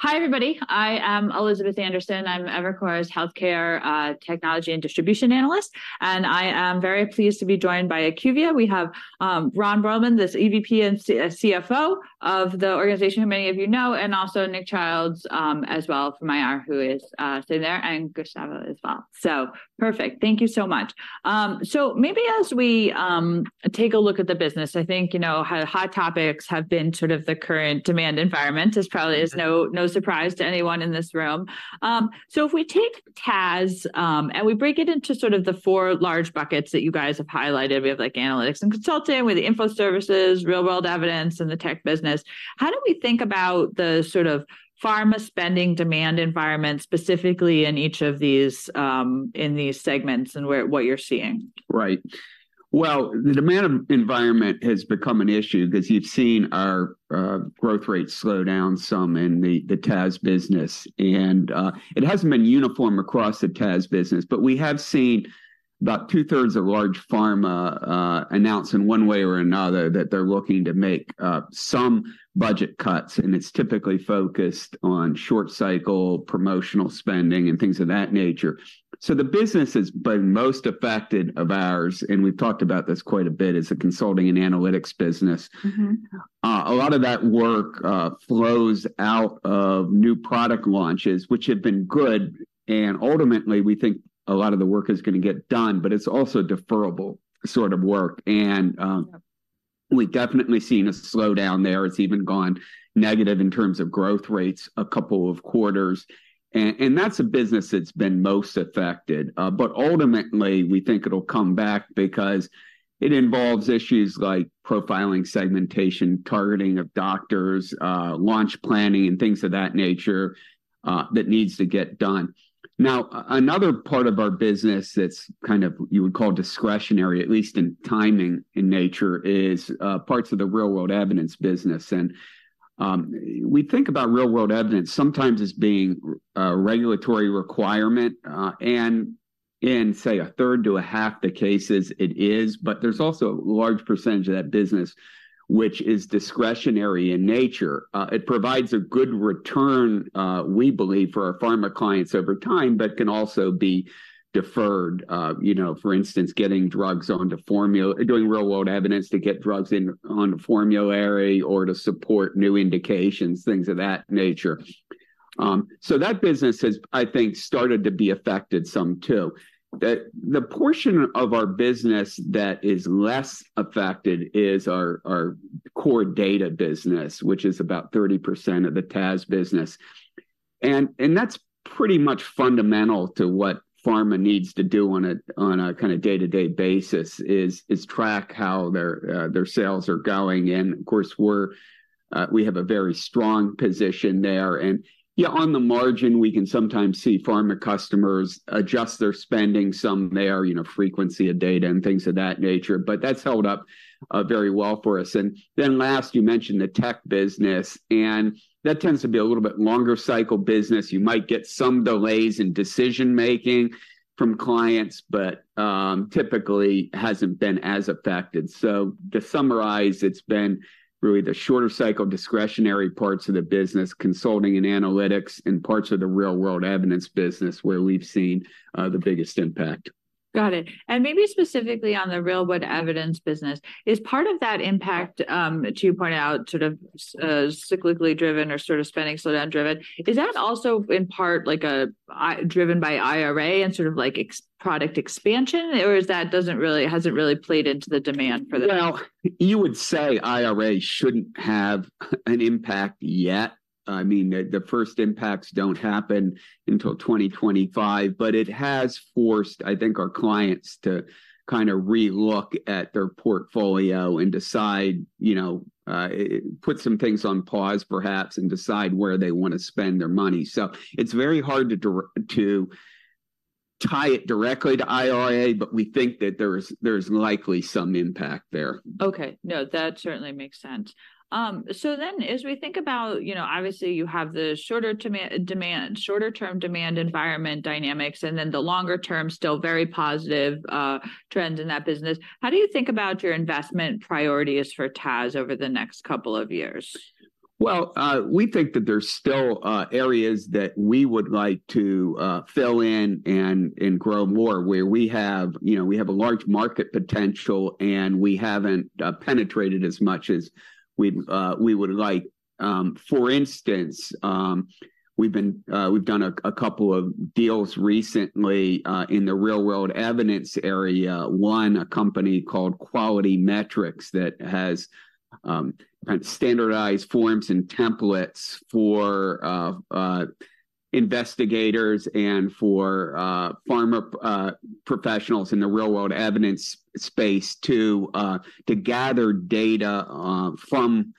Hi, everybody. I am Elizabeth Anderson. I'm Evercore's healthcare technology and distribution analyst, and I am very pleased to be joined by IQVIA. We have Ron Bruehlman, the EVP and CFO of the organization, who many of you know, and also Nick Childs as well from IR, who is sitting there, and Gustavo as well. So perfect. Thank you so much. So maybe as we take a look at the business, I think, you know, hot topics have been sort of the current demand environment. This probably is no surprise to anyone in this room. So, if we take TAS, and we break it into sort of the four large buckets that you guys have highlighted, we have, like, analytics and consulting, we have the info services, real-world evidence, and the tech business, how do we think about the sort of pharma spending demand environment, specifically in each of these, in these segments and where—what you're seeing? Right. Well, the demand environment has become an issue because you've seen our growth rate slow down some in the TAS business, and it hasn't been uniform across the TAS business. But we have seen about two-thirds of large pharma announce in one way or another that they're looking to make some budget cuts, and it's typically focused on short cycle promotional spending, and things of that nature. So the business has been most affected of ours, and we've talked about this quite a bit, is the consulting and analytics business. Mm-hmm. A lot of that work flows out of new product launches, which have been good, and ultimately, we think a lot of the work is gonna get done, but it's also deferrable sort of work, and. Yeah ... we've definitely seen a slowdown there. It's even gone negative in terms of growth rates a couple of quarters, and that's a business that's been most affected. But ultimately, we think it'll come back because it involves issues like profiling, segmentation, targeting of doctors, launch planning, and things of that nature, that needs to get done. Now, another part of our business that's kind of you would call discretionary, at least in timing in nature, is parts of the Real-World Evidence business. We think about Real-World Evidence sometimes as being a regulatory requirement, and in, say, a third to a half the cases it is, but there's also a large percentage of that business which is discretionary in nature. It provides a good return, we believe, for our pharma clients over time, but can also be deferred. You know, for instance, getting drugs onto formularies... doing real-world evidence to get drugs on the formulary or to support new indications, things of that nature. So that business has, I think, started to be affected some too. The portion of our business that is less affected is our core data business, which is about 30% of the TAS business, and that's pretty much fundamental to what pharma needs to do on a kind of day-to-day basis is track how their sales are going. And, of course, we have a very strong position there. And, yeah, on the margin, we can sometimes see pharma customers adjust their spending some there, you know, frequency of data and things of that nature, but that's held up very well for us. Then last, you mentioned the tech business, and that tends to be a little bit longer cycle business. You might get some delays in decision-making from clients, but typically hasn't been as affected. So to summarize, it's been really the shorter cycle, discretionary parts of the business, consulting and analytics, and parts of the Real-World Evidence business where we've seen the biggest impact. Got it. And maybe specifically on the Real-World Evidence business, is part of that impact, to point out, sort of, cyclically driven or sort of spending slowdown driven, is that also in part like a, driven by IRA and sort of like ex-US product expansion, or is that doesn't really, hasn't really played into the demand for that? Well, you would say IRA shouldn't have an impact yet. I mean, the first impacts don't happen until 2025, but it has forced, I think, our clients to kind of re-look at their portfolio and decide, you know, put some things on pause, perhaps, and decide where they want to spend their money. So it's very hard to to tie it directly to IRA, but we think that there is, there is likely some impact there. Okay. No, that certainly makes sense. So then as we think about, you know, obviously, you have the shorter-term demand environment dynamics, and then the longer-term, still very positive, trends in that business. How do you think about your investment priorities for TAS over the next couple of years? Well, we think that there's still areas that we would like to fill in and grow more, where we have, you know, we have a large market potential, and we haven't penetrated as much as we would like. For instance, we've done a couple of deals recently in the real-world evidence area. One, a company called QualityMetric, that has kind of standardized forms and templates for investigators and for pharma professionals in the real-world evidence space to gather data from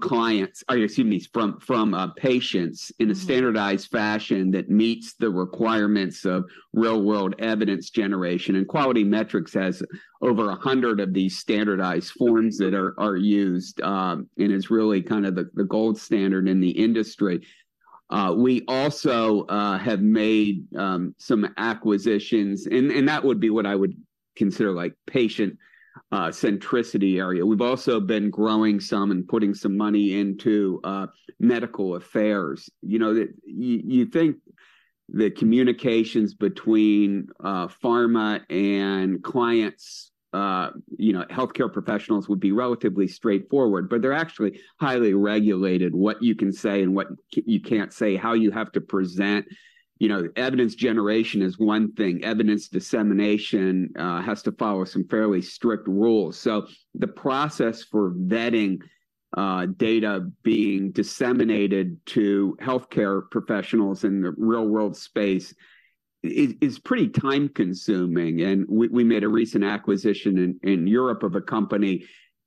clients... excuse me, from patients- Mm-hmm... in a standardized fashion that meets the requirements of Real-World Evidence generation. And QualityMetric has over a hundred of these standardized forms that are used, and is really kind of the gold standard in the industry. We also have made some acquisitions, and that would be what I would consider, like, patient centricity area. We've also been growing some and putting some money into medical affairs. You know, you think the communications between pharma and clients, you know, healthcare professionals would be relatively straightforward, but they're actually highly regulated, what you can say and what you can't say, how you have to present. You know, evidence generation is one thing. Evidence dissemination has to follow some fairly strict rules. So the process for vetting data being disseminated to healthcare professionals in the real-world space is pretty time-consuming, and we made a recent acquisition in Europe of a company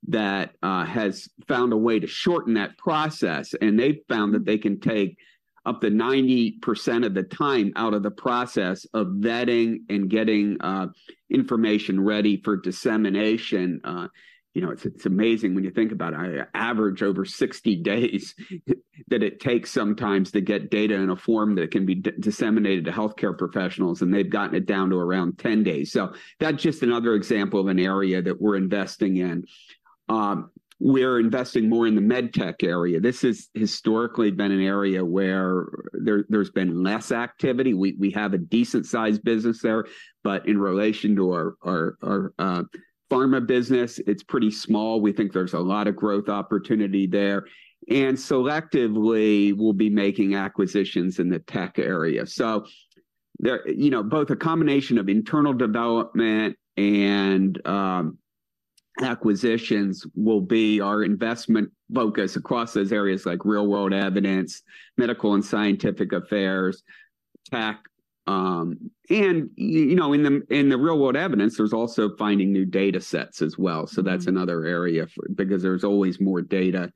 that has found a way to shorten that process. And they've found that they can take up to 90% of the time out of the process of vetting and getting information ready for dissemination. You know, it's amazing when you think about average over 60 days that it takes sometimes to get data in a form that can be disseminated to healthcare professionals, and they've gotten it down to around 10 days. So that's just another example of an area that we're investing in. We're investing more in the MedTech area. This has historically been an area where there's been less activity. We have a decent-sized business there, but in relation to our pharma business, it's pretty small. We think there's a lot of growth opportunity there, and selectively, we'll be making acquisitions in the tech area. So you know, both a combination of internal development and acquisitions will be our investment focus across those areas, like real-world evidence, medical and scientific affairs, tech. And you know, in the real-world evidence, there's also finding new data sets as well. So that's another area because there's always more data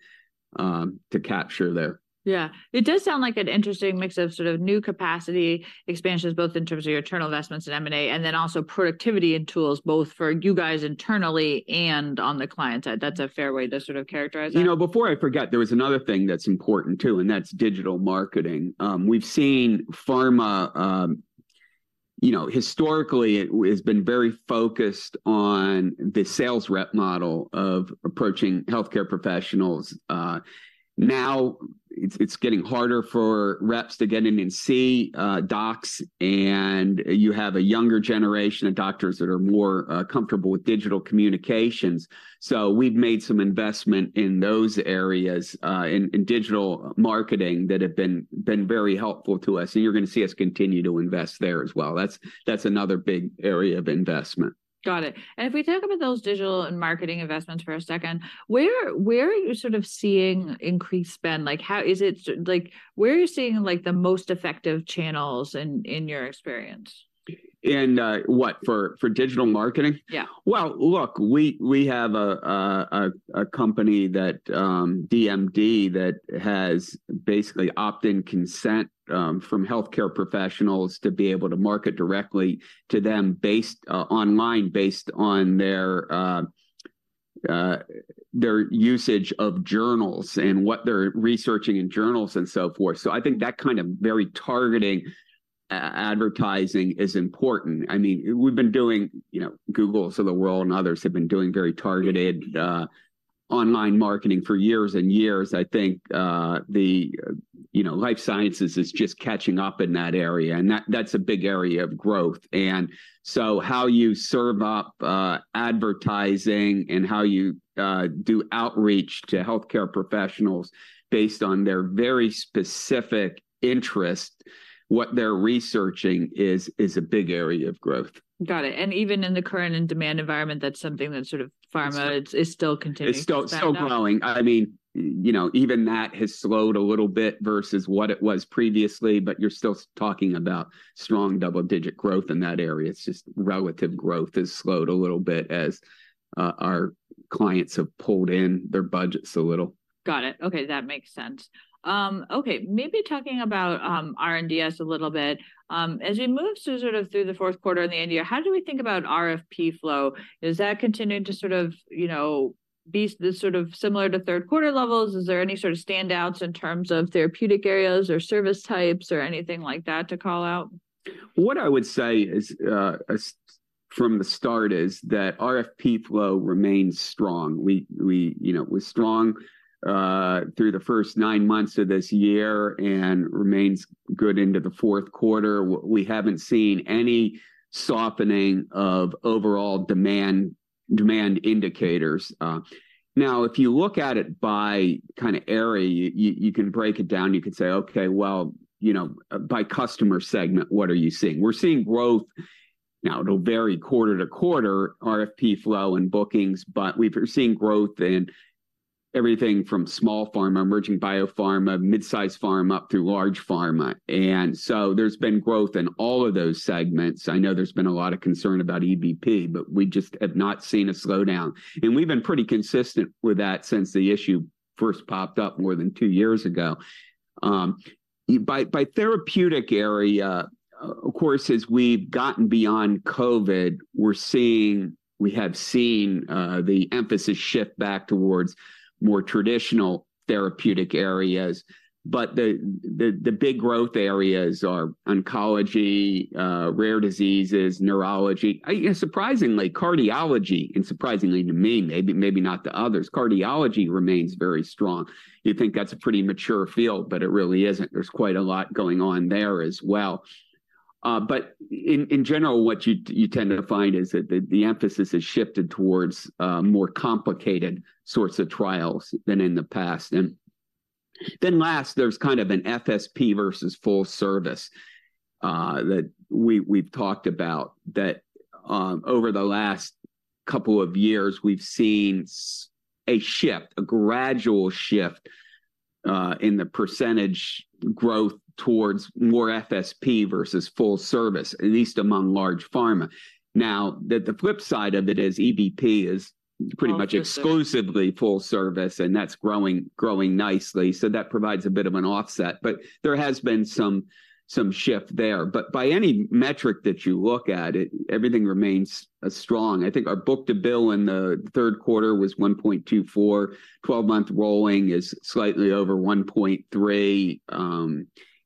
to capture there. Yeah. It does sound like an interesting mix of sort of new capacity expansions, both in terms of your internal investments and M&A, and then also productivity and tools, both for you guys internally and on the client side. That's a fair way to sort of characterize that? You know, before I forget, there was another thing that's important, too, and that's digital marketing. We've seen pharma, you know, historically it has been very focused on the sales rep model of approaching healthcare professionals. Now it's getting harder for reps to get in and see docs, and you have a younger generation of doctors that are more comfortable with digital communications. So we've made some investment in those areas in digital marketing that have been very helpful to us, and you're gonna see us continue to invest there as well. That's another big area of investment. Got it. And if we talk about those digital and marketing investments for a second, where, where are you sort of seeing increased spend? Like, how... Is it like, where are you seeing, like, the most effective channels in, in your experience? In what? For digital marketing? Yeah. Well, look, we have a company that, DMD, that has basically opt-in consent from healthcare professionals to be able to market directly to them based online, based on their usage of journals and what they're researching in journals and so forth. So I think that kind of very targeting advertising is important. I mean, we've been doing you know, Googles of the world and others, have been doing very targeted online marketing for years and years. I think, the, you know, life sciences is just catching up in that area, and that, that's a big area of growth. And so how you serve up advertising and how you do outreach to healthcare professionals based on their very specific interest, what they're researching, is a big area of growth. Got it, and even in the current and demand environment, that's something that sort of pharma- It's- is still continuing to spend on. It's still, still growing. I mean, you know, even that has slowed a little bit versus what it was previously, but you're still talking about strong double-digit growth in that area. It's just relative growth has slowed a little bit as our clients have pulled in their budgets a little. Got it. Okay, that makes sense. Okay, maybe talking about R&DS a little bit, as you move to sort of through the fourth quarter and the end year, how do we think about RFP flow? Is that continuing to sort of, you know, be the sort of similar to third-quarter levels? Is there any sort of standouts in terms of therapeutic areas or service types or anything like that to call out? What I would say is, from the start is that RFP flow remains strong. You know, it was strong through the first nine months of this year and remains good into the fourth quarter. We haven't seen any softening of overall demand, demand indicators. Now, if you look at it by kind of area, you can break it down. You can say, "Okay, well, you know, by customer segment, what are you seeing?" We're seeing growth. Now, it'll vary quarter to quarter, RFP flow and bookings, but we're seeing growth in everything from small pharma, emerging biopharma, mid-size pharma up through large pharma, and so there's been growth in all of those segments. I know there's been a lot of concern about EBP, but we just have not seen a slowdown, and we've been pretty consistent with that since the issue first popped up more than two years ago. By therapeutic area, of course, as we've gotten beyond COVID, we're seeing, we have seen the emphasis shift back towards more traditional therapeutic areas. But the big growth areas are oncology, rare diseases, neurology, and surprisingly cardiology, and surprisingly to me, maybe not to others. Cardiology remains very strong. You'd think that's a pretty mature field, but it really isn't. There's quite a lot going on there as well. But in general, what you tend to find is that the emphasis has shifted towards more complicated sorts of trials than in the past. And then last, there's kind of an FSP versus full service that we've talked about, that over the last couple of years, we've seen a shift, a gradual shift, in the percentage growth towards more FSP versus full service, at least among large pharma. Now, the flip side of it is EBP is pretty much- Full service... exclusively full service, and that's growing nicely, so that provides a bit of an offset, but there has been some shift there. But by any metric that you look at, it, everything remains strong. I think our book-to-bill in the third quarter was 1.24. 12-month rolling is slightly over 1.3.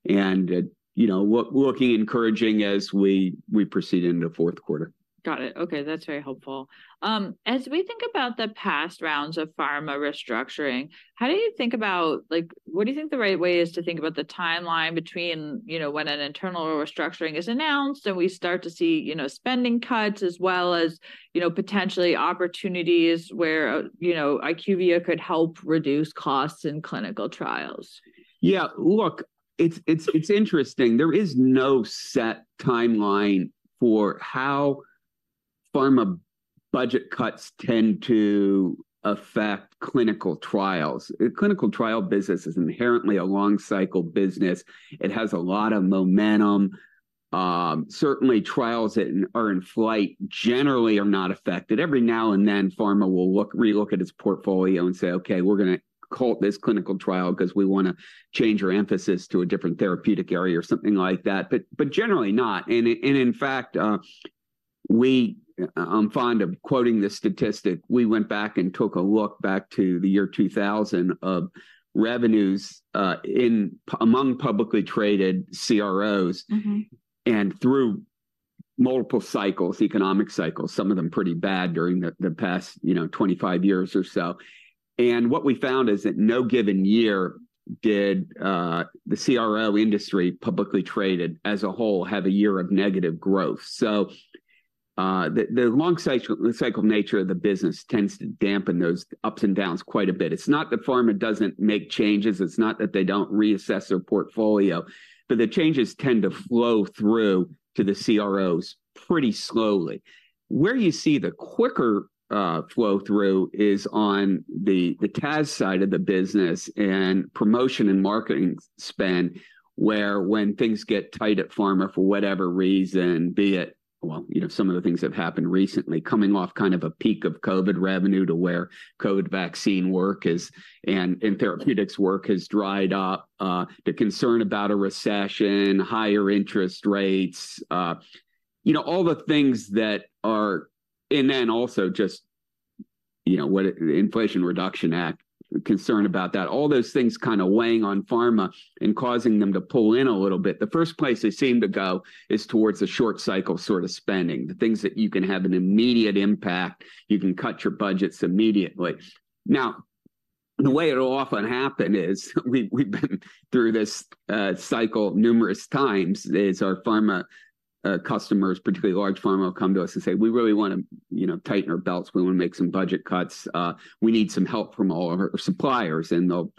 And, you know, looking encouraging as we proceed into fourth quarter. Got it. Okay, that's very helpful. As we think about the past rounds of pharma restructuring, how do you think about, like, what do you think the right way is to think about the timeline between, you know, when an internal restructuring is announced and we start to see, you know, spending cuts as well as, you know, potentially opportunities where, you know, IQVIA could help reduce costs in clinical trials? Yeah, look, it's interesting. There is no set timeline for how pharma budget cuts tend to affect clinical trials. A clinical trial business is inherently a long-cycle business. It has a lot of momentum. Certainly, trials that are in flight generally are not affected. Every now and then, pharma will look, relook at its portfolio and say, "Okay, we're gonna halt this clinical trial 'cause we wanna change our emphasis to a different therapeutic area," or something like that, but generally not. And in fact, I'm fond of quoting this statistic. We went back and took a look back to the year 2000 of revenues among publicly traded CROs. Mm-hmm... and through multiple cycles, economic cycles, some of them pretty bad during the past, you know, 25 years or so. And what we found is that no given year did the CRO industry, publicly traded as a whole, have a year of negative growth. So, the long cycle nature of the business tends to dampen those ups and downs quite a bit. It's not that pharma doesn't make changes, it's not that they don't reassess their portfolio, but the changes tend to flow through to the CROs pretty slowly. Where you see the quicker flow through is on the TAS side of the business and promotion and marketing spend, where when things get tight at pharma, for whatever reason, be it... Well, you know, some of the things that have happened recently, coming off kind of a peak of COVID revenue to where COVID vaccine work is, and therapeutics work has dried up, the concern about a recession, higher interest rates, you know, all the things. And then also just, you know, the Inflation Reduction Act, concern about that. All those things kind of weighing on pharma and causing them to pull in a little bit. The first place they seem to go is towards the short cycle sort of spending, the things that you can have an immediate impact, you can cut your budgets immediately. Now, the way it'll often happen is, we've been through this cycle numerous times, is our pharma customers, particularly large pharma, will come to us and say, "We really wanna, you know, tighten our belts. We wanna make some budget cuts. We need some help from all of our suppliers. And they'll,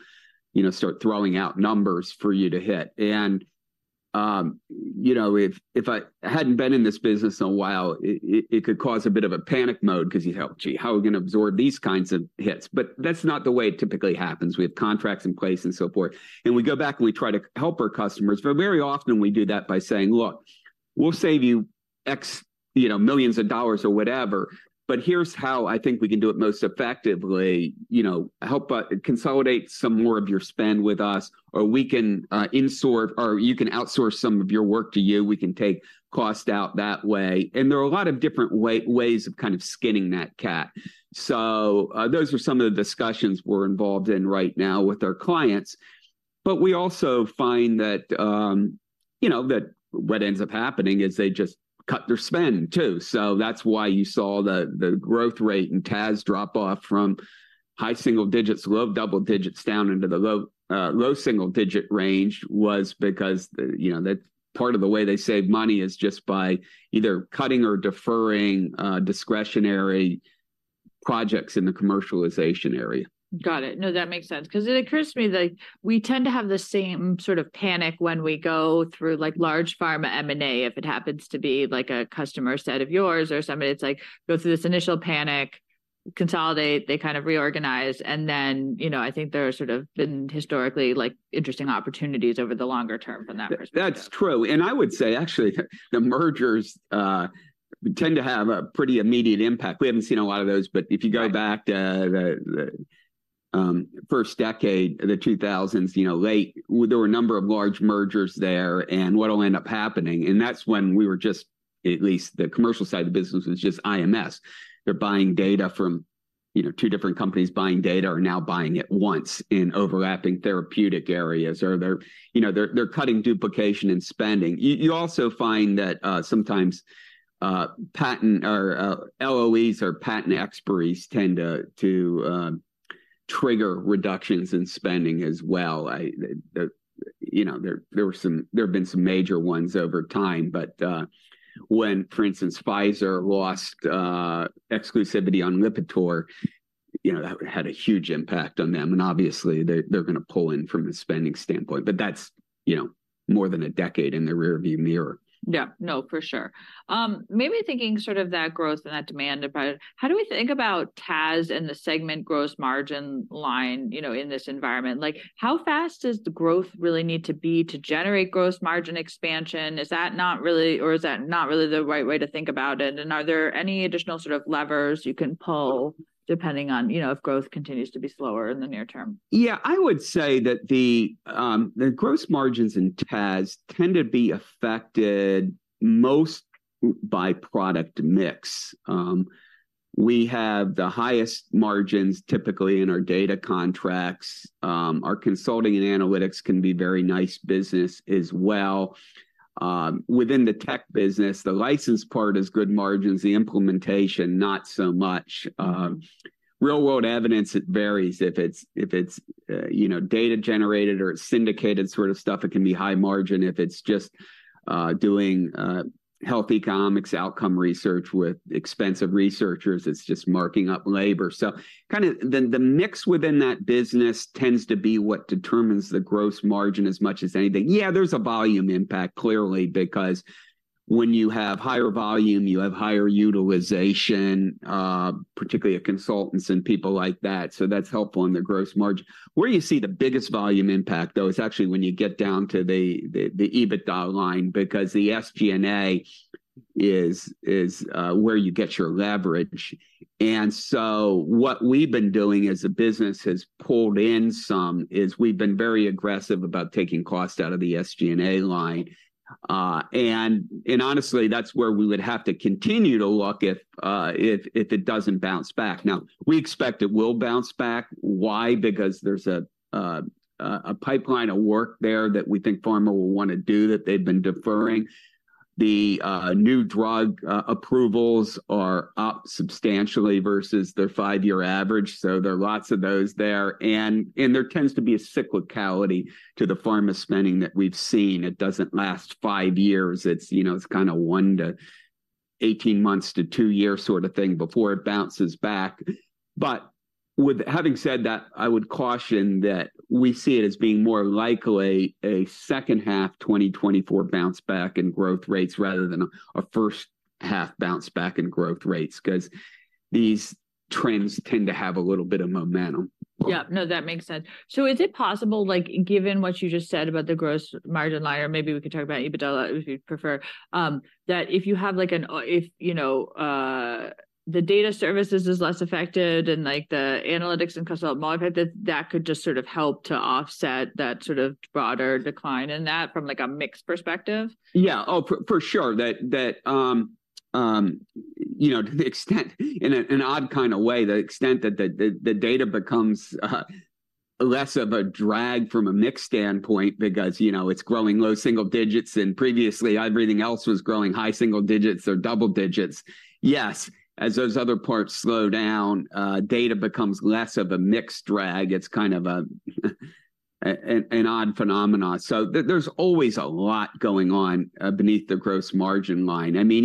you know, start throwing out numbers for you to hit. And you know, if I hadn't been in this business in a while, it could cause a bit of a panic mode 'cause you think, "Gee, how are we gonna absorb these kinds of hits?" But that's not the way it typically happens. We have contracts in place and so forth, and we go back and we try to help our customers. But very often we do that by saying, "Look, we'll save you $X million or whatever, but here's how I think we can do it most effectively. You know, help us consolidate some more of your spend with us, or we can insource or you can outsource some of your work to you. We can take cost out that way." And there are a lot of different ways of kind of skinning that cat. So those are some of the discussions we're involved in right now with our clients. But we also find that, you know, that what ends up happening is they just cut their spend too. So that's why you saw the growth rate in TAS drop off from high single digits, low double digits, down into the low single-digit range, was because, you know, that part of the way they save money is just by either cutting or deferring discretionary projects in the commercialization area. Got it. No, that makes sense. 'Cause it occurs to me that we tend to have the same sort of panic when we go through, like, large pharma M&A, if it happens to be, like, a customer set of yours or somebody. It's like, go through this initial panic, consolidate, they kind of reorganize, and then, you know, I think there are sort of been historically, like, interesting opportunities over the longer term from that perspective. That's true, and I would say, actually, the mergers tend to have a pretty immediate impact. We haven't seen a lot of those, but if you go back- Right... to the first decade of the two thousands, you know, late, there were a number of large mergers there, and what'll end up happening. And that's when we were just, at least the commercial side of the business, was just IMS. They're buying data from, you know, two different companies buying data are now buying it once in overlapping therapeutic areas, or they're, you know, they're cutting duplication and spending. You also find that sometimes patent or LOEs or patent expiries tend to trigger reductions in spending as well. You know, there have been some major ones over time, but when, for instance, Pfizer lost exclusivity on Lipitor, you know, that had a huge impact on them, and obviously, they're gonna pull in from a spending standpoint. But that's, you know, more than a decade in the rearview mirror. Yeah. No, for sure. Maybe thinking sort of that growth and that demand about it, how do we think about TAS and the segment gross margin line, you know, in this environment? Like, how fast does the growth really need to be to generate gross margin expansion? Is that not really, or is that not really the right way to think about it? And are there any additional sort of levers you can pull, depending on, you know, if growth continues to be slower in the near term? Yeah, I would say that the gross margins in TAS tend to be affected most by product mix. We have the highest margins typically in our data contracts. Our consulting and analytics can be very nice business as well. Within the tech business, the license part is good margins, the implementation, not so much. Real-world evidence, it varies. If it's you know, data-generated or it's syndicated sort of stuff, it can be high margin. If it's just doing health economics outcome research with expensive researchers, it's just marking up labor. So kinda the mix within that business tends to be what determines the gross margin as much as anything. Yeah, there's a volume impact, clearly, because when you have higher volume, you have higher utilization, particularly of consultants and people like that, so that's helpful in the gross margin. Where you see the biggest volume impact, though, is actually when you get down to the EBITDA line, because the SG&A is where you get your leverage. And so what we've been doing as the business has pulled in some is we've been very aggressive about taking costs out of the SG&A line. And honestly, that's where we would have to continue to look if it doesn't bounce back. Now, we expect it will bounce back. Why? Because there's a pipeline of work there that we think pharma will wanna do, that they've been deferring. The new drug approvals are up substantially versus their 5-year average, so there are lots of those there. And there tends to be a cyclicality to the pharma spending that we've seen. It doesn't last five years. It's, you know, it's kinda 1 to 18 months to 2-year sort of thing before it bounces back. But with-- having said that, I would caution that we see it as being more likely a second-half 2024 bounce back in growth rates rather than a first-half bounce back in growth rates, 'cause these trends tend to have a little bit of momentum. Yeah. No, that makes sense. So is it possible, like, given what you just said about the gross margin line, or maybe we could talk about EBITDA, if you'd prefer, that if you have, like, you know, the data services is less affected and, like, the analytics and consult modified, that that could just sort of help to offset that sort of broader decline in that from, like, a mix perspective? Yeah. Oh, for sure, that, you know, to the extent, in an odd kind of way, the extent that the data becomes less of a drag from a mix standpoint because, you know, it's growing low single digits, and previously, everything else was growing high single digits or double digits. Yes, as those other parts slow down, data becomes less of a mixed drag. It's kind of an odd phenomenon. So there, there's always a lot going on beneath the gross margin line. I mean,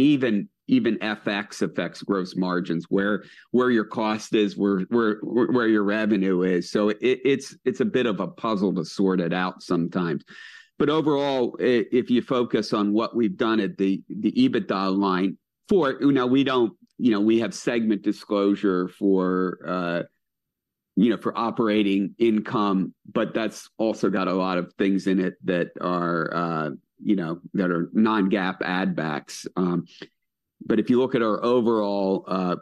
even FX affects gross margins, where your cost is, where your revenue is. So it's a bit of a puzzle to sort it out sometimes. But overall, if you focus on what we've done at the EBITDA line for it, you know, we don't... You know, we have segment disclosure for, you know, for operating income, but that's also got a lot of things in it that are, you know, that are non-GAAP add-backs. But if you look at our overall,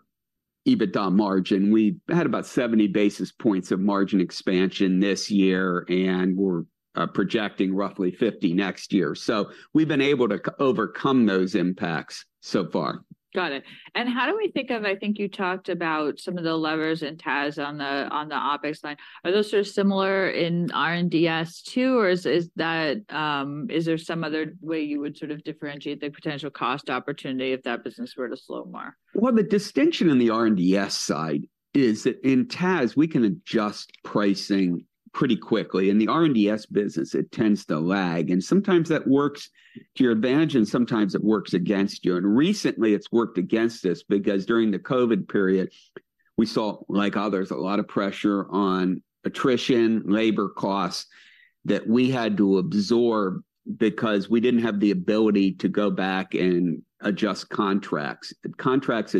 EBITDA margin, we've had about 70 basis points of margin expansion this year, and we're projecting roughly 50 next year. So we've been able to overcome those impacts so far. Got it. And how do we think of, I think you talked about some of the levers in TAS on the, on the OpEx line. Are those sort of similar in R&DS too, or is, is that, is there some other way you would sort of differentiate the potential cost opportunity if that business were to slow more? Well, the distinction in the R&DS side is that in TAS, we can adjust pricing pretty quickly. In the R&DS business, it tends to lag, and sometimes that works to your advantage, and sometimes it works against you. Recently, it's worked against us because during the COVID period, we saw, like others, a lot of pressure on attrition, labor costs, that we had to absorb because we didn't have the ability to go back and adjust contracts. The contracts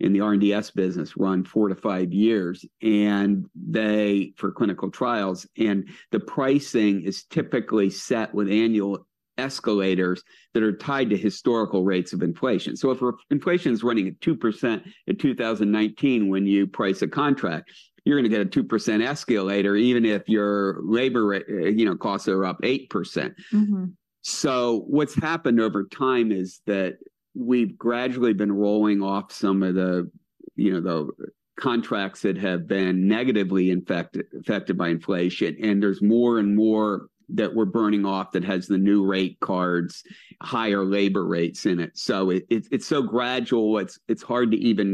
in the R&DS business run 4-5 years, and they, for clinical trials, and the pricing is typically set with annual escalators that are tied to historical rates of inflation. So if inflation is running at 2% in 2019 when you price a contract, you're gonna get a 2% escalator, even if your labor, you know, costs are up 8%. Mm-hmm. So what's happened over time is that we've gradually been rolling off some of the you know, the contracts that have been negatively infected, affected by inflation, and there's more and more that we're burning off that has the new rate cards, higher labor rates in it. So it's so gradual, it's been a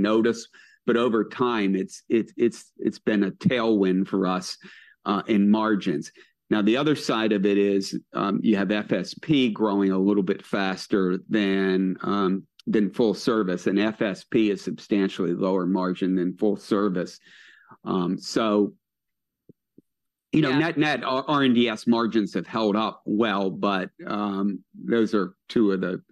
tailwind for us in margins. Now, the other side of it is, you have FSP growing a little bit faster than full service, and FSP is substantially lower margin than full service. So, you know- Yeah... net-net, our R&DS margins have held up well, but, those are two of the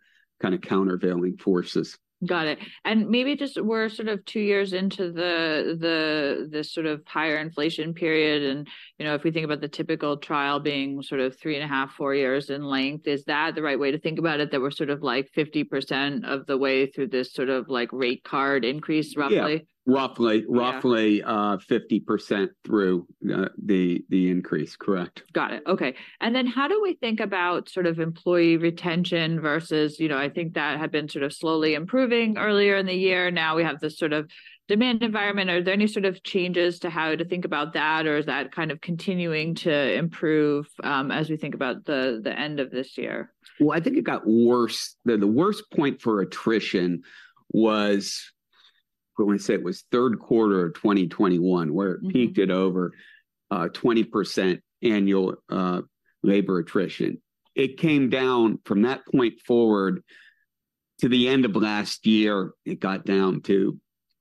kind of countervailing forces. Got it. And maybe just we're sort of 2 years into the sort of higher inflation period, and, you know, if we think about the typical trial being sort of 3.5-4 years in length, is that the right way to think about it, that we're sort of, like, 50% of the way through this sort of, like, rate card increase, roughly? Yeah. Roughly- Yeah... roughly, 50% through the increase, correct. Got it. Okay, and then how do we think about sort of employee retention versus, you know, I think that had been sort of slowly improving earlier in the year. Now, we have this sort of demand environment. Are there any sort of changes to how to think about that, or is that kind of continuing to improve, as we think about the end of this year? Well, I think it got worse. The worst point for attrition was, I want to say it was third quarter of 2021, where- Mm-hmm... it peaked at over 20% annual labor attrition. It came down from that point forward to the end of last year. It got down to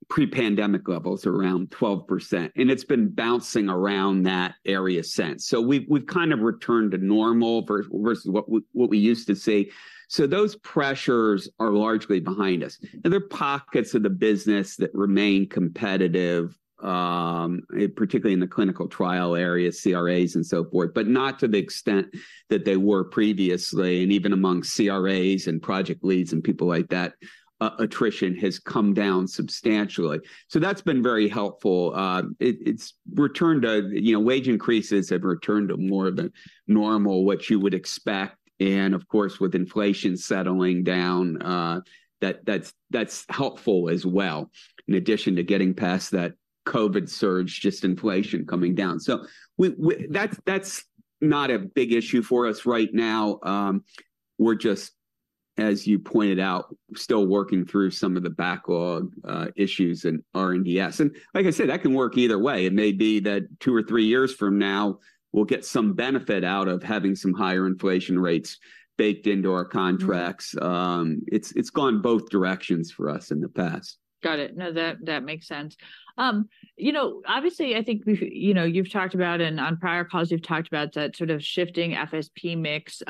pre-pandemic levels, around 12%, and it's been bouncing around that area since. So we've kind of returned to normal versus what we used to see. So those pressures are largely behind us. Now, there are pockets of the business that remain competitive, particularly in the clinical trial area, CRAs and so forth, but not to the extent that they were previously, and even among CRAs and project leads and people like that, attrition has come down substantially. So that's been very helpful. It's returned to... You know, wage increases have returned to more of a normal, what you would expect, and of course, with inflation settling down, that, that's, that's helpful as well. In addition to getting past that COVID surge, just inflation coming down. So that's, that's not a big issue for us right now. We're just, as you pointed out, still working through some of the backlog, issues in R&DS. And like I said, that can work either way. It may be that two or three years from now, we'll get some benefit out of having some higher inflation rates baked into our contracts. Mm-hmm. It's gone both directions for us in the past. Got it. No, that makes sense. You know, obviously, I think we've, you know, you've talked about and on prior calls, you've talked about that sort of shifting FSP mix in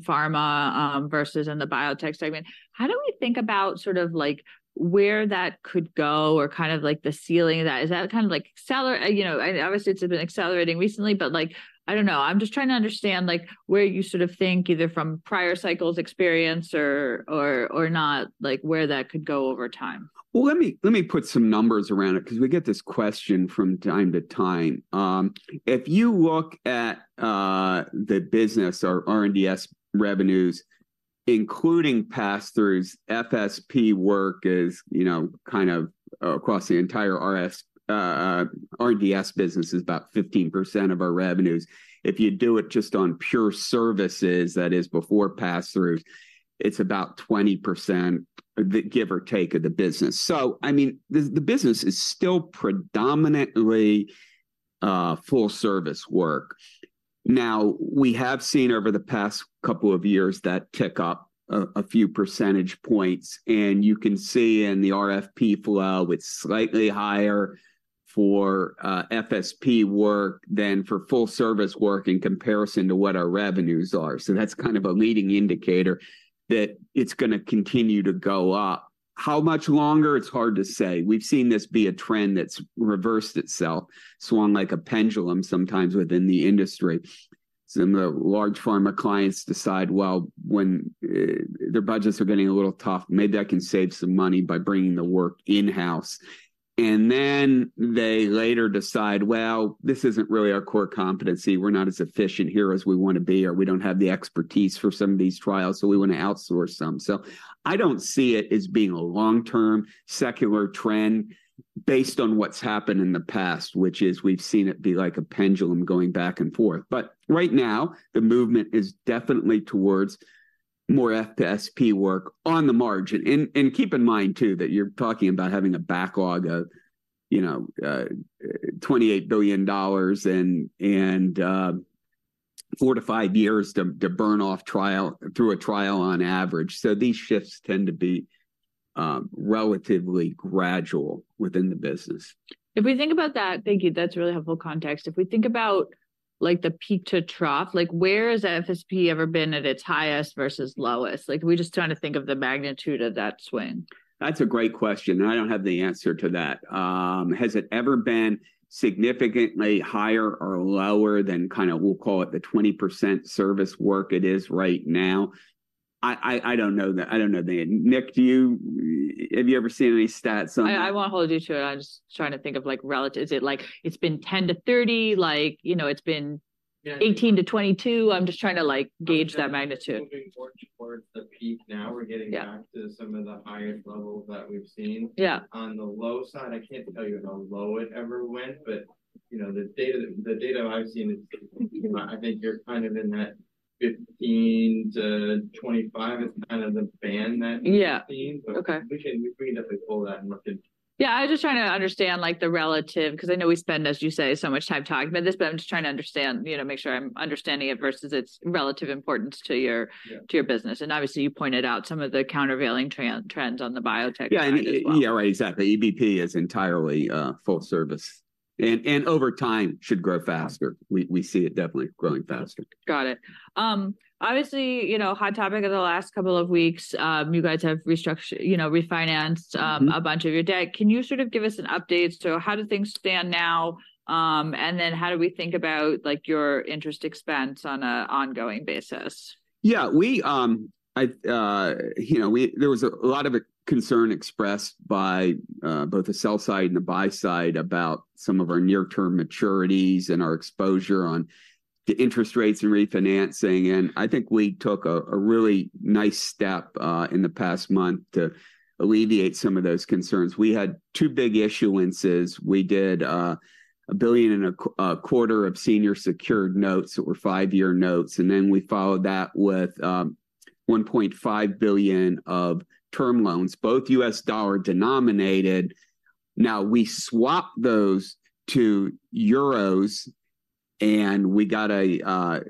pharma versus in the biotech segment. How do we think about sort of like where that could go or kind of like the ceiling of that? Is that kind of like. You know, and obviously, it's been accelerating recently, but like, I don't know. I'm just trying to understand, like, where you sort of think, either from prior cycles experience or not, like, where that could go over time. Well, let me, let me put some numbers around it, 'cause we get this question from time to time. If you look at the business or R&DS revenues, including pass-throughs, FSP work is across the entire R&DS business is about 15% of our revenues. If you do it just on pure services, that is, before pass-throughs, it's about 20%, give or take, of the business. So I mean, the business is still predominantly full service work. Now, we have seen over the past couple of years that tick up a few percentage points, and you can see in the RFP flow, it's slightly higher for FSP work than for full service work in comparison to what our revenues are. So that's kind of a leading indicator that it's gonna continue to go up. How much longer? It's hard to say. We've seen this be a trend that's reversed itself, swung like a pendulum sometimes within the industry. Some of the large pharma clients decide, well, when their budgets are getting a little tough, maybe I can save some money by bringing the work in-house. And then they later decide, "Well, this isn't really our core competency. We're not as efficient here as we want to be, or we don't have the expertise for some of these trials, so we want to outsource some." So I don't see it as being a long-term, secular trend based on what's happened in the past, which is we've seen it be like a pendulum going back and forth. But right now, the movement is definitely towards more FSP work on the margin. Keep in mind, too, that you're talking about having a backlog of, you know, $28 billion and 4-5 years to burn off through a trial on average. So these shifts tend to be relatively gradual within the business. If we think about that... Thank you, that's really helpful context. If we think about, like, the peak to trough, like, where has FSP ever been at its highest versus lowest? Like, we're just trying to think of the magnitude of that swing. That's a great question, and I don't have the answer to that. Has it ever been significantly higher or lower than kind of, we'll call it, the 20% service work it is right now? I don't know the... Nick, have you ever seen any stats on that? I want to hold you to it. I'm just trying to think of, like, relative- Is it like, it's been 10-30, like, you know, it's been 18-22? I'm just trying to, like, gauge that magnitude. Moving more towards the peak now. Yeah. We're getting back to some of the highest levels that we've seen. Yeah. On the low side, I can't tell you how low it ever went, but, you know, the data, the data I've seen is—I think you're kind of in that 15-25 is kind of the band that- Yeah - we've seen. Okay. We can, we can definitely pull that and look into it. Yeah, I was just trying to understand, like, the relative... Because I know we spend, as you say, so much time talking about this, but I'm just trying to understand, you know, make sure I'm understanding it versus its relative importance to your- Yeah... to your business. And obviously, you pointed out some of the countervailing trends on the biotech side as well. Yeah, yeah. Right, exactly. EBP is entirely full service, and over time should grow faster. We see it definitely growing faster. Got it. Obviously, you know, hot topic of the last couple of weeks, you guys have restructure- you know, refinanced- Mm-hmm... a bunch of your debt. Can you sort of give us an update as to how do things stand now? And then how do we think about, like, your interest expense on an ongoing basis? Yeah, we, I, you know, there was a lot of concern expressed by both the sell side and the buy side about some of our near-term maturities and our exposure on the interest rates and refinancing, and I think we took a really nice step in the past month to alleviate some of those concerns. We had two big issuances. We did $1.25 billion of senior secured notes that were 5-year notes, and then we followed that with $1.5 billion of term loans, both U.S. dollar denominated. Now, we swapped those to euros, and we got a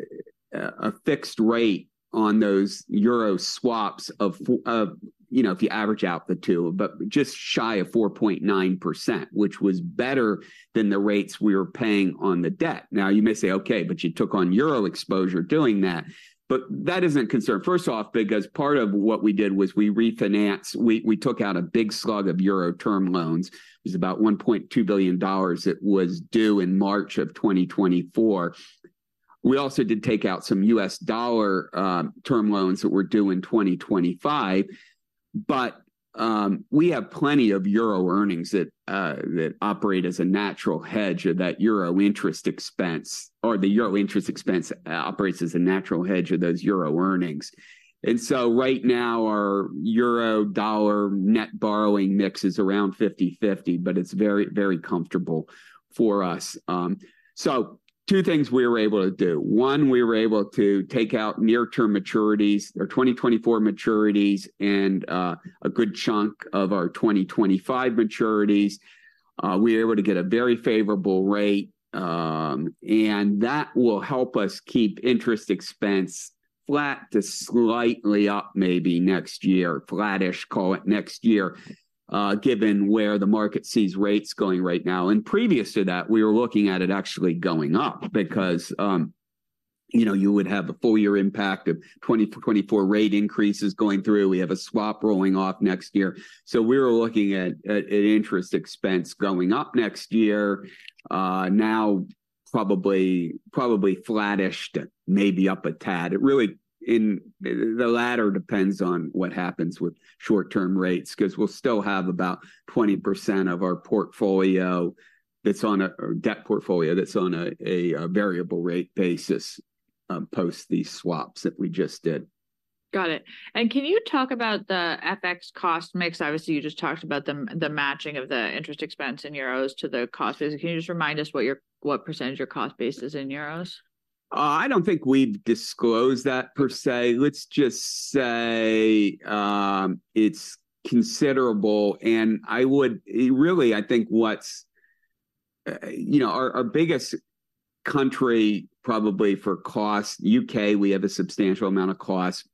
fixed rate on those euro swaps of, you know, if you average out the two, but just shy of 4.9%, which was better than the rates we were paying on the debt. Now, you may say, "Okay, but you took on euro exposure doing that," but that isn't a concern, first off, because part of what we did was we refinanced... We, we took out a big slug of euro term loans. It was about $1.2 billion that was due in March of 2024. We also did take out some U.S. dollar term loans that were due in 2025, but, we have plenty of euro earnings that, that operate as a natural hedge of that euro interest expense, or the euro interest expense, operates as a natural hedge of those euro earnings. And so right now, our euro/dollar net borrowing mix is around 50/50, but it's very, very comfortable for us. So two things we were able to do: One, we were able to take out near-term maturities, our 2024 maturities, and a good chunk of our 2025 maturities. We were able to get a very favorable rate, and that will help us keep interest expense flat to slightly up, maybe next year. Flattish, call it, next year, given where the market sees rates going right now. And previous to that, we were looking at it actually going up because, you know, you would have a full year impact of 2024 rate increases going through. We have a swap rolling off next year. So we were looking at interest expense going up next year. Now probably flattish to maybe up a tad. It really, in the latter, depends on what happens with short-term rates, 'cause we'll still have about 20% of our portfolio that's on a debt portfolio, that's on a variable rate basis, post these swaps that we just did. Got it. And can you talk about the FX cost mix? Obviously, you just talked about the matching of the interest expense in euros to the cost basis. Can you just remind us what percentage of your cost base is in euros? I don't think we've disclosed that per se. Let's just say, it's considerable, and I would... Really, I think what's, you know, our, our biggest country probably for cost, UK, we have a substantial amount of cost.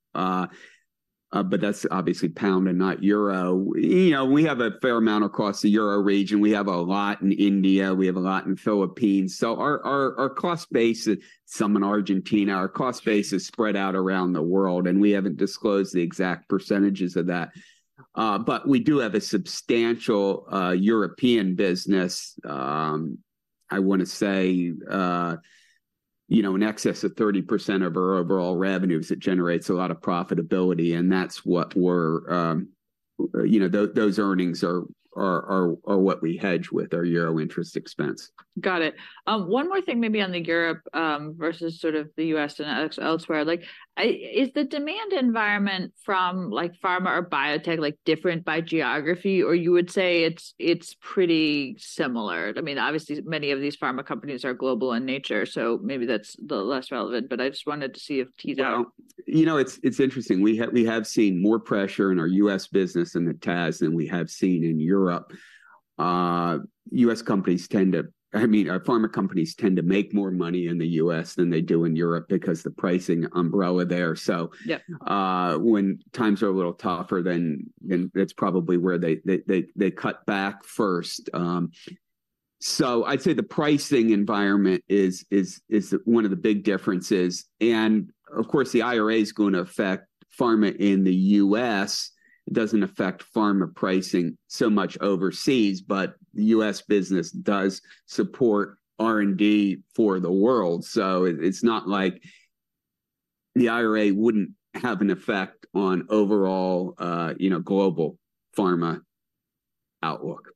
But that's obviously pound and not euro. You know, we have a fair amount of cost in euro region. We have a lot in India, we have a lot in Philippines. So our, our, our cost base, some in Argentina, our cost base is spread out around the world, and we haven't disclosed the exact percentages of that. But we do have a substantial European business, I want to say, you know, in excess of 30% of our overall revenues. It generates a lot of profitability, and that's what we're... You know, those earnings are what we hedge with our euro interest expense. Got it. One more thing maybe on the Europe, versus sort of the U.S. and ex-elsewhere. Like, is the demand environment from, like, pharma or biotech, like, different by geography, or you would say it's pretty similar? I mean, obviously, many of these pharma companies are global in nature, so maybe that's the less relevant, but I just wanted to see if tease out. You know, it's interesting. We have seen more pressure in our U.S. business in the TAS than we have seen in Europe. U.S. companies—I mean, our pharma companies tend to make more money in the U.S. than they do in Europe because the pricing umbrella there, so- Yeah... when times are a little tougher, then that's probably where they cut back first. So I'd say the pricing environment is one of the big differences, and of course, the IRA is going to affect pharma in the U.S. It doesn't affect pharma pricing so much overseas, but the U.S. business does support R&D for the world, so it's not like the IRA wouldn't have an effect on overall, you know, global pharma outlook.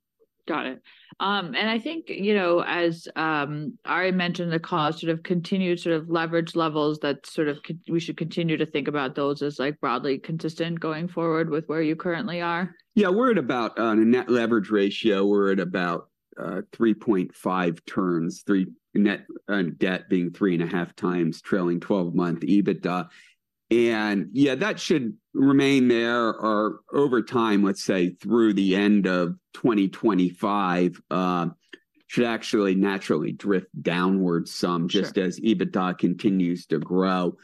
Got it. And I think, you know, as Ari mentioned the call, sort of continued sort of leverage levels that sort of we should continue to think about those as, like, broadly consistent going forward with where you currently are? Yeah, we're at about, on a net leverage ratio, we're at about, 3.5 times, net debt being 3.5 times trailing 12-month EBITDA. And yeah, that should remain there, or over time, let's say, through the end of 2025, should actually naturally drift downwards some- Sure... just as EBITDA continues to grow.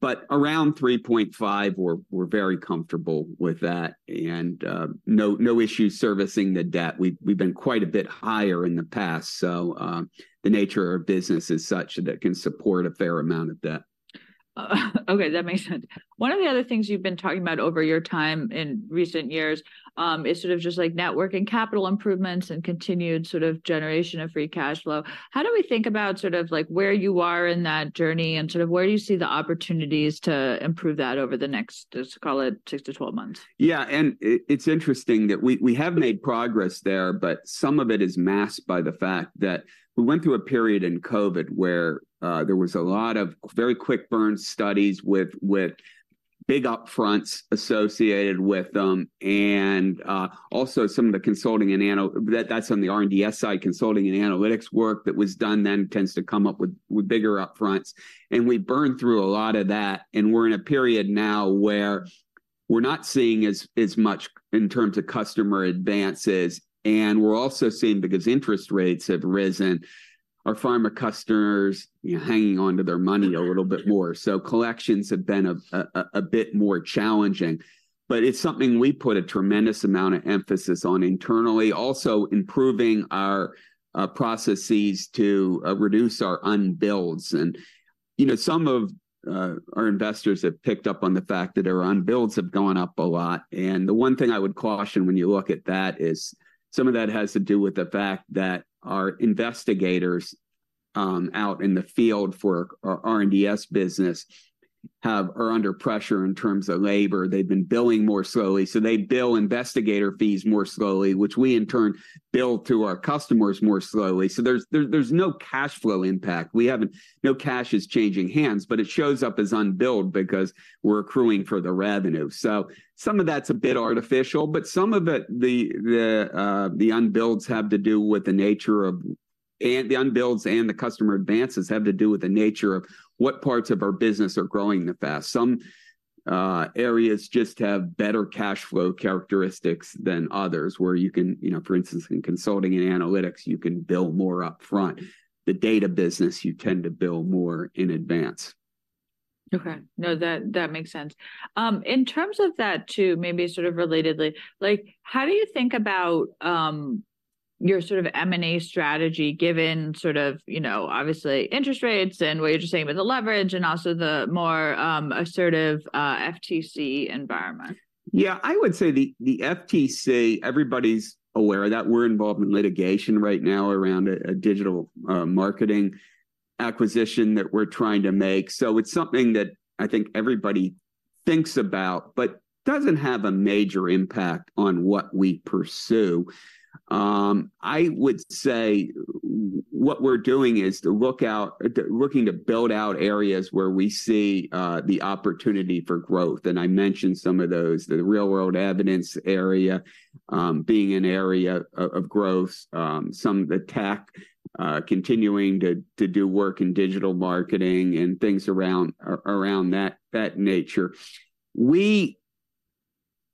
But around 3.5, we're very comfortable with that, and no issues servicing the debt. We've been quite a bit higher in the past, so the nature of our business is such that it can support a fair amount of debt. Okay, that makes sense. One of the other things you've been talking about over your time in recent years is sort of just like network and capital improvements and continued sort of generation of free cash flow. How do we think about sort of like where you are in that journey, and sort of where do you see the opportunities to improve that over the next, let's call it six to 12 months? Yeah, and it's interesting that we have made progress there, but some of it is masked by the fact that we went through a period in COVID where there was a lot of very quick burn studies with big upfronts associated with them, and also some of the consulting and analytics work that's on the R&DS side that was done then tends to come up with bigger upfronts. And we burned through a lot of that, and we're in a period now where we're not seeing as much in terms of customer advances, and we're also seeing, because interest rates have risen, our pharma customers, you know, hanging on to their money a little bit more. So collections have been a bit more challenging. But it's something we put a tremendous amount of emphasis on internally. Also, improving our processes to reduce our unbills. And, you know, some of our investors have picked up on the fact that our unbills have gone up a lot. And the one thing I would caution when you look at that is some of that has to do with the fact that our investigators out in the field for our R&DS business are under pressure in terms of labor. They've been billing more slowly, so they bill investigator fees more slowly, which we in turn bill to our customers more slowly. So there's no cash flow impact. No cash is changing hands, but it shows up as unbilled because we're accruing for the revenue. So some of that's a bit artificial, but some of it, the unbills have to do with the nature of – and the unbills and the customer advances have to do with the nature of what parts of our business are growing the fastest. Some areas just have better cash flow characteristics than others, where you can, you know, for instance, in consulting and analytics, you can bill more upfront. The data business, you tend to bill more in advance. Okay. No, that, that makes sense. In terms of that too, maybe sort of relatedly, like, how do you think about your sort of M&A strategy, given sort of, you know, obviously, interest rates and what you're saying with the leverage and also the more assertive FTC environment? Yeah, I would say the, the FTC, everybody's aware that we're involved in litigation right now around a, a digital marketing acquisition that we're trying to make. So it's something that I think everybody thinks about but doesn't have a major impact on what we pursue. I would say what we're doing is looking to build out areas where we see the opportunity for growth, and I mentioned some of those, the real-world evidence area, being an area of growth. Some of the tech, continuing to do work in digital marketing and things around that nature. We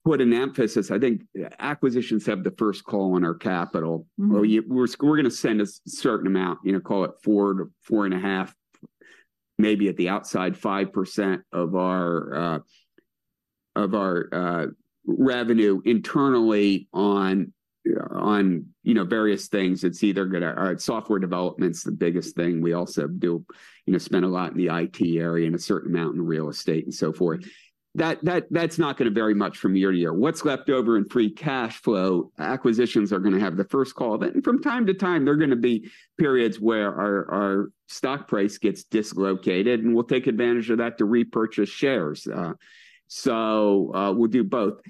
put an emphasis... I think acquisitions have the first call on our capital. Mm-hmm. Or, yeah, we're gonna spend a certain amount, you know, call it 4-4.5%, maybe at the outside, 5% of our revenue internally on, you know, various things. It's either gonna be software development's the biggest thing. We also do, you know, spend a lot in the IT area and a certain amount in real estate and so forth. That's not gonna vary much from year to year. What's left over in free cash flow, acquisitions are gonna have the first call then. From time to time, there are gonna be periods where our stock price gets dislocated, and we'll take advantage of that to repurchase shares. So, we'll do both.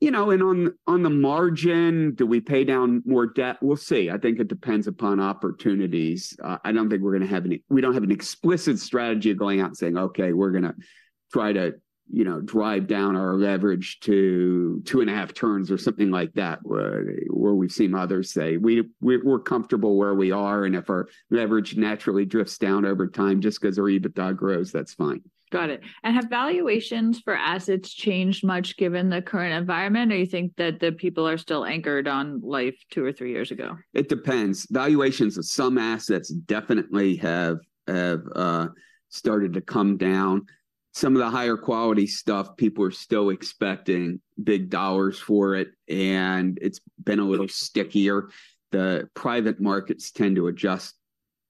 You know, and on the margin, do we pay down more debt? We'll see. I think it depends upon opportunities. I don't think we're gonna have. We don't have an explicit strategy of going out and saying, "Okay, we're gonna try to, you know, drive down our leverage to 2.5 turns," or something like that, where we've seen others say. We're comfortable where we are, and if our leverage naturally drifts down over time just 'cause our EBITDA grows, that's fine. Got it. And have valuations for assets changed much given the current environment, or you think that the people are still anchored on like two or three years ago? It depends. Valuations of some assets definitely have started to come down. Some of the higher quality stuff, people are still expecting big dollars for it, and it's been a little stickier. The private markets tend to adjust,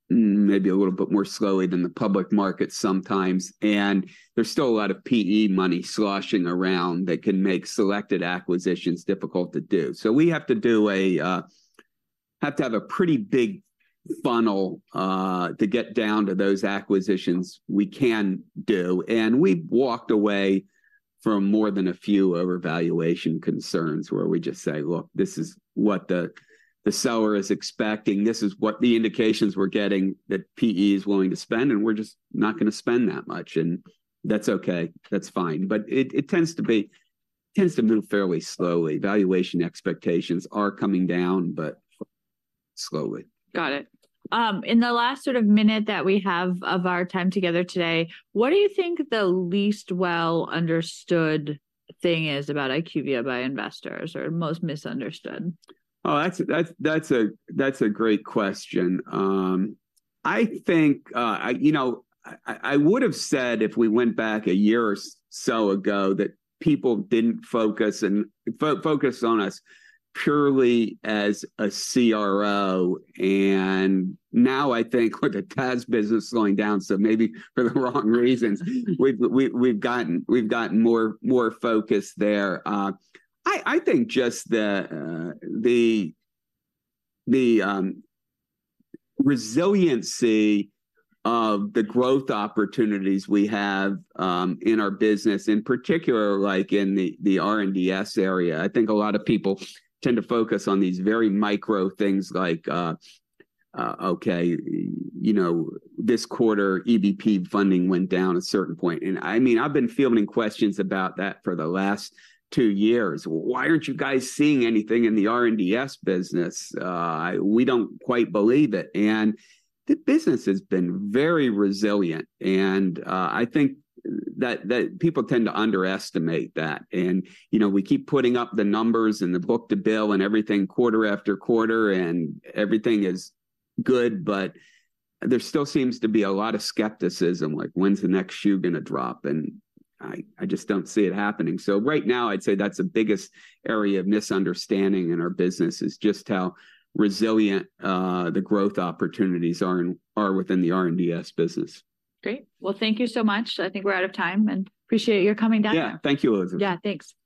maybe a little bit more slowly than the public market sometimes, and there's still a lot of PE money sloshing around that can make selected acquisitions difficult to do. So we have to have a pretty big funnel to get down to those acquisitions we can do, and we've walked away from more than a few over valuation concerns, where we just say, "Look, this is what the seller is expecting. This is what the indications we're getting that PE is willing to spend, and we're just not gonna spend that much." And that's okay. That's fine. But it tends to move fairly slowly. Valuation expectations are coming down, but slowly. Got it. In the last sort of minute that we have of our time together today, what do you think the least well-understood thing is about IQVIA by investors, or most misunderstood? Oh, that's a great question. I think, you know, I would've said if we went back a year or so ago, that people didn't focus on us purely as a CRO, and now I think with the TAS business slowing down, so maybe for the wrong reasons, we've gotten more focus there. I think just the resiliency of the growth opportunities we have in our business, in particular, like in the R&DS area, I think a lot of people tend to focus on these very micro things like, okay, you know, this quarter, EBP funding went down a certain point. And I mean, I've been fielding questions about that for the last two years. Why aren't you guys seeing anything in the R&DS business? We don't quite believe it." And the business has been very resilient, and I think that people tend to underestimate that. And, you know, we keep putting up the numbers and the book-to-bill and everything quarter after quarter, and everything is good, but there still seems to be a lot of skepticism, like, "When's the next shoe gonna drop?" And I just don't see it happening. So right now, I'd say that's the biggest area of misunderstanding in our business, is just how resilient the growth opportunities are within the R&DS business. Great. Well, thank you so much. I think we're out of time, and appreciate your coming down. Yeah. Thank you, Elizabeth. Yeah, thanks.